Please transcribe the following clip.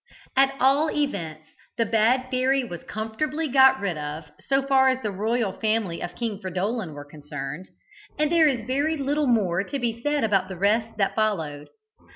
At all events, the bad fairy was comfortably got rid of so far as the royal family of King Fridolin were concerned, and there is very little more to be said about the rest that followed.